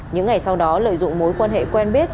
những ngày sau đó lợi dụng mối quan hệ quen biết